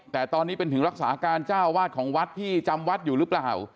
แต่ตอนนี้เป็นถึงรักษาการเจ้าวาดของวัดที่จำวัดอยู่หรือเปล่า